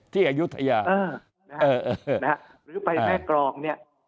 ที่อย่ายุทยาเออนะครับหรือไปแม่กรองเนี่ย